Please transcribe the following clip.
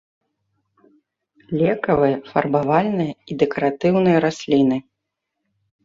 Лекавыя, фарбавальныя і дэкаратыўныя расліны.